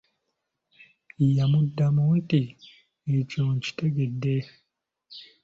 "Yamuddamu nti “Ekyo nkitegedde""."